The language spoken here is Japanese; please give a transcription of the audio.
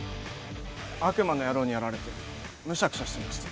悪魔の野郎にやられてむしゃくしゃしてまして。